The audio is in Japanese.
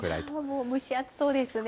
もう蒸し暑そうですね。